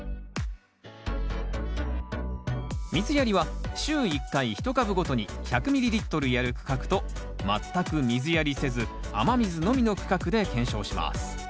水やりは週１回一株ごとに１００ｍＬやる区画と全く水やりせず雨水のみの区画で検証します